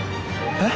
えっ？